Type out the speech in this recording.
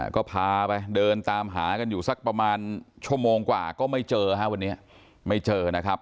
ก็พาไปเดินตามหากันอยู่สักประมาณชั่วโมงกว่าก็ไม่เจอฮะวันนี้ไม่เจอนะครับ